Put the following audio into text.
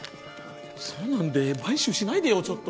そんなんで買収しないでよちょっと。